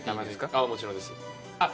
ああもちろんですあっ